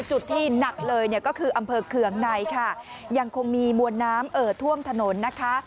จุดที่หนักเลยเนี่ยก็คืออำเภอเคืองในค่ะยังคงมีมวลน้ำเอ่อท่วมถนนนะคะ